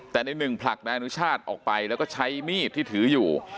แต่ในหนึ่งผลักนายอนุชาติออกไปแล้วก็ใช้มีดที่ถืออยู่